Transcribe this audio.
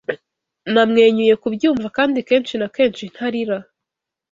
Namwenyuye kubyumva kandi kenshi na kenshi ntarira!